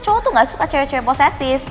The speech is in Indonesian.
cowok tuh gak suka cewek cewek yang possessive